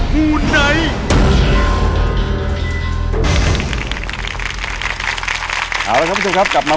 ไม่เชื่อยาล้มศูนย์